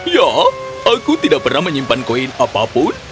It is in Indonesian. ya aku tidak pernah menyimpan koin apapun